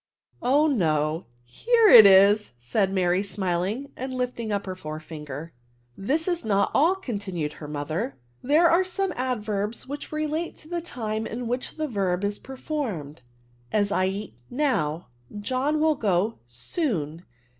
" Oh no, here it is," said Mary, smiling, and lifting up her fore finger. " This is not all," continued her mother; there are some adverbs which relate to the time in which the verb is performed ; as, I eat now, John will go soon.